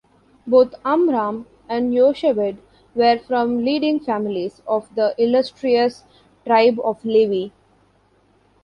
Both Amram and Yocheved were from leading families of the illustrious Tribe of Levi.